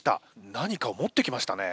何かを持ってきましたね。